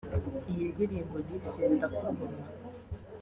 Iyi ndirimbo bise ‘Ndakubona’